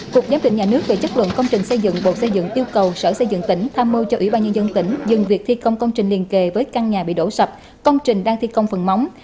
cục giám định nhà nước về chất lượng công trình xây dựng bộ xây dựng yêu cầu sở xây dựng tỉnh tham mưu cho ủy ban nhân dân tỉnh dừng việc thi công công trình liền kề với căn nhà bị đổ sập công trình đang thi công phần móng